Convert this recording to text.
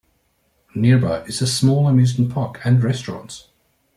Nearby is a small amusement park and restaurants.